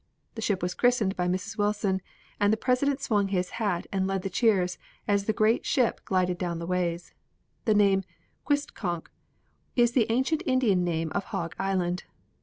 The ship was christened by Mrs. Wilson, and the President swung his hat and led the cheers as the great ship glided down the ways. The name "Quistconck" is the ancient Indian name of Hog Island.